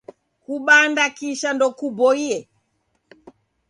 Kubanda kisha ndokuboie.